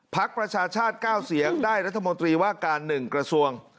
ประชาชาติ๙เสียงได้รัฐมนตรีว่าการ๑กระทรวง